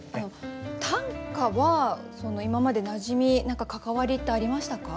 短歌は今までなじみ何か関わりってありましたか？